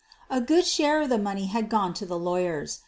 A good share of the money had gone to the law yers.